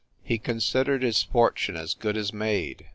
He considered his fortune as good as made.